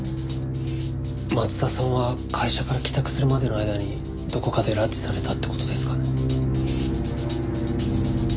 松田さんは会社から帰宅するまでの間にどこかで拉致されたって事ですかね。